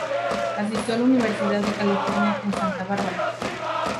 Asistió a la Universidad de California en Santa Bárbara.